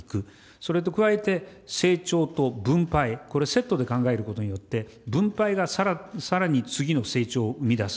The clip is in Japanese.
それと加えて、成長と分配、これをセットで考えることによって、分配がさらに次の成長を生み出す。